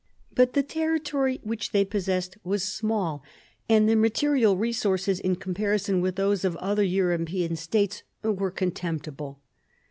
But the territory which they possessed was small, S> B in 2 PHILIP AUGUSTUS chap. and their material resources, in comparison with those of other European states, were contemptible.